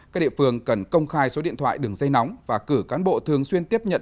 các địa phương cần công khai số điện thoại đường dây nóng và cử cán bộ thường xuyên tiếp nhận